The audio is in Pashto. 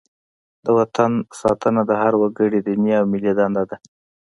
د وطن ساتنه د هر وګړي دیني او ملي دنده ده.